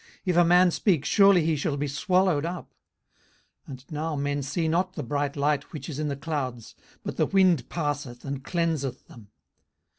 if a man speak, surely he shall be swallowed up. 18:037:021 And now men see not the bright light which is in the clouds: but the wind passeth, and cleanseth them.